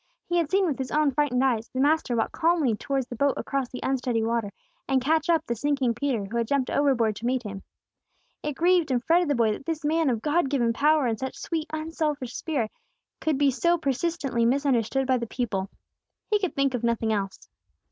He had seen, with his own frightened eyes, the Master walk calmly towards the boat across the unsteady water, and catch up the sinking Peter, who had jumped overboard to meet Him. It grieved and fretted the boy that this man, of God given power and such sweet unselfish spirit, could be so persistently misunderstood by the people. He could think of nothing else.